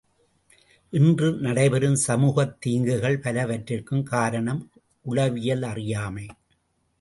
இன்று நடைபெறும் சமூகத் தீங்குகள் பலவற்றிற்கும் காரணம் உளவியல் அறியாமை.